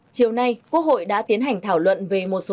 chiều nay quốc hội đã tiến hành thảo luận về một số